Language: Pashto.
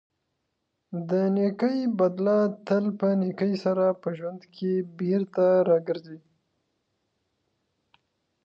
د نېکۍ بدله تل په نېکۍ سره په ژوند کې بېرته راګرځي.